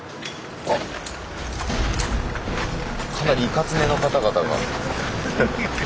あかなりいかつめの方々が。